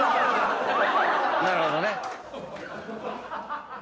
なるほどね。